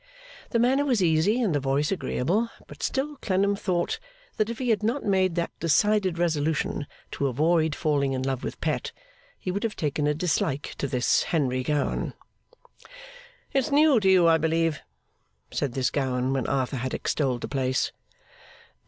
The manner was easy, and the voice agreeable; but still Clennam thought, that if he had not made that decided resolution to avoid falling in love with Pet, he would have taken a dislike to this Henry Gowan. 'It's new to you, I believe?' said this Gowan, when Arthur had extolled the place.